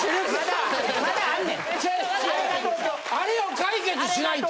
あれを解決しないと！